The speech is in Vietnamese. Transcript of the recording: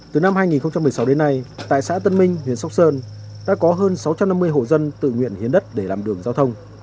từ năm hai nghìn một mươi sáu đến nay tại xã tân minh huyện sóc sơn đã có hơn sáu trăm năm mươi hộ dân tự nguyện hiến đất để làm đường giao thông